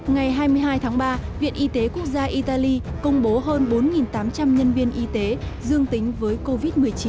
ngày hai mươi hai tháng ba viện y tế quốc gia italy công bố hơn bốn tám trăm linh nhân viên y tế dương tính với covid một mươi chín